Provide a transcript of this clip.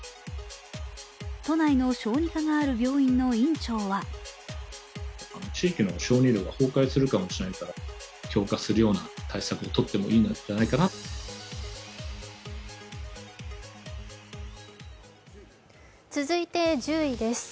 都内の小児科がある病院の院長は続いて１０位です。